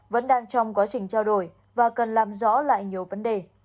vẫn đang trong quá trình trao đổi và cần làm rõ lại nhiều vấn đề